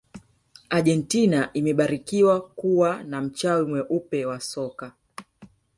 argentina imebarikiwa kuwa na mchawi mweupe wa soka